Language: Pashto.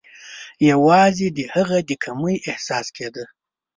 یوازي د هغه د کمۍ احساس کېده.